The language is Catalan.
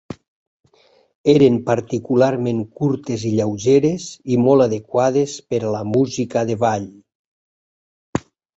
Eren particularment curtes i lleugeres, i molt adequades per a la música de ball.